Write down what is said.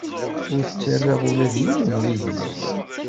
Ur ttarraɣ ula d yiwen d igellil.